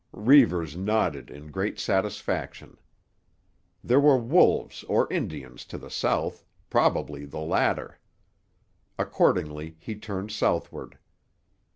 Reivers nodded in great satisfaction. There were wolves or Indians to the south, probably the latter. Accordingly he turned southward.